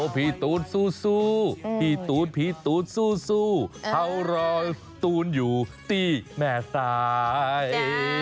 พี่ตูนสู้พี่ตูนพี่ตูนสู้เขารอตูนอยู่ที่แม่สาย